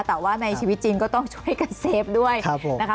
แต่ว่าในชีวิตจริงก็ต้องช่วยกันเซฟด้วยนะคะ